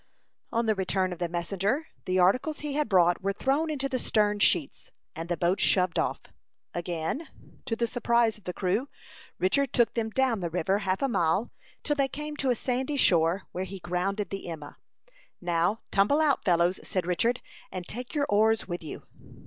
On the return of the messenger, the articles he had brought were thrown into the stern sheets, and the boat shoved off. Again, to the surprise of the crew, Richard took them down the river, half a mile, till they came to a sandy shore, where he grounded the Emma. "Now, tumble out, fellows," said Richard, "and take your oars with you."